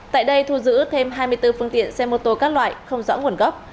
tại đây thu giữ thêm hai mươi bốn phương tiện xe mô tô các loại không rõ nguồn gốc